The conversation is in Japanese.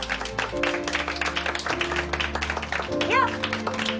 よっ！